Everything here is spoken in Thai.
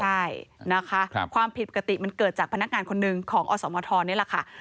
ใช่นะคะความผิดปกติมันเกิดจากพนักงานคนหนึ่งของอสมทรนี่แหละค่ะ